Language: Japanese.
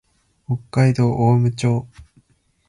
北海道雄武町